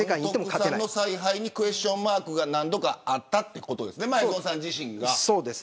監督の采配にクエスチョンマークが何度かあったということですね前園さん自身が。